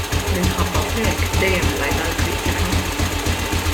Minħabba f'hekk dejjem qlajna l-kritika.